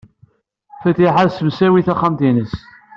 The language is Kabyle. Fatiḥa tessemsawi taxxamt-nnes.